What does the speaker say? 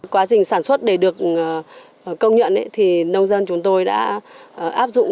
quá trình sản xuất để được công nhận thì nông dân chúng tôi đã áp dụng